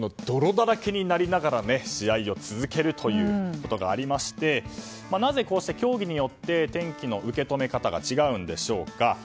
泥だらけになりながら試合を続けるということがありましてなぜ、こうして競技によって天気の受け止め方が違うんでしょうか。